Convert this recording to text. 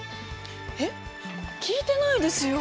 えっ聞いてないですよ。